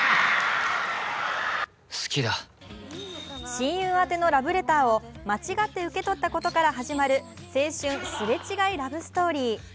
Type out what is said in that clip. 親友宛のラブレターを間違って受け取ったことから始まる青春すれ違いラブストーリー。